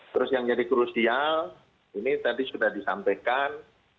terus yang jadi krusial ini tadi sudah disampaikan